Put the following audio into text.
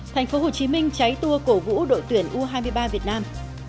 tp hcm cháy tua cổ vũ đội tuyển u hai mươi ba việt nam